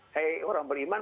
hei orang beriman